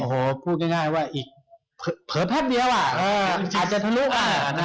โอ้โฮพูดง่ายว่าเผลอแพบเดียวอาจจะทะลุกว่ะ